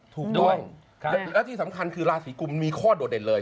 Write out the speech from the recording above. ถูกด้วยและที่สำคัญคือราศีกุมมีข้อโดดเด่นเลย